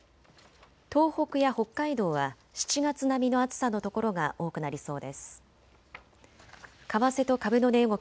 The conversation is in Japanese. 東北や北海道は７月並みの暑さの所が多くなりそうです。